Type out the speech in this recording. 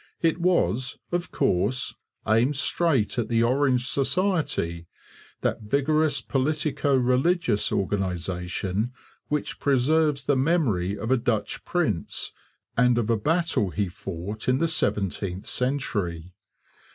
It was, of course, aimed straight at the Orange Society, that vigorous politico religious organization which preserves the memory of a Dutch prince and of a battle he fought in the seventeenth century.